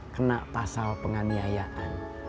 kena pasal penganiayaan